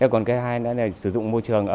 còn cái hai nữa là sử dụng môi trường